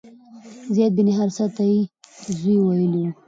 زید بن حارثه ته یې زوی ویلي و.